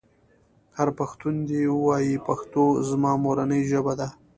هر پښتون دې ووايي پښتو زما مورنۍ ژبه ده.